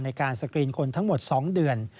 ในการสกรีนคนทั้งหมด๒เดือน